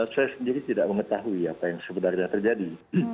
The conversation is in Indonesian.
saya sendiri tidak mengetahui apa yang sebenarnya terjadi